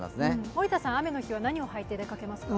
森田さん、雨の日は何を履いて出かけますか？